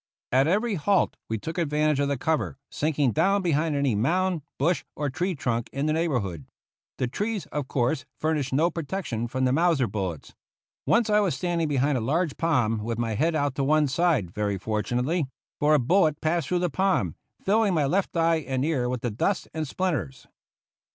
At every halt we took advantage of the cover, sinking down behind any mound, bush, or tree trunk in the neighborhood. The trees, of course, furnished no protection from the Mauser bullets. Once I was standing behind a large palm with my head out to one side, very fortunately; for a bullet passed through the palm, filling my left eye and ear with the dust and splinters.